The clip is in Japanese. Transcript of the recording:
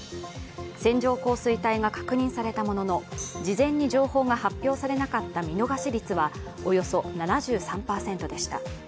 線状降水帯が確認されたものの事前に情報が発表されなかった見逃し率はおよそ７３％でした。